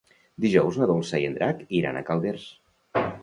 Dijous na Dolça i en Drac iran a Calders.